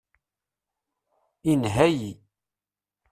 Inha-yi.